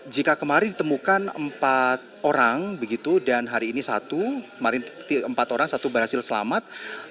jika kemarin ditemukan empat orang dan hari ini satu kemarin empat orang satu berhasil selamat